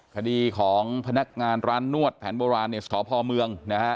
คดีของพนักงานร้านนวดแผนโบราณในสพเมืองนะฮะ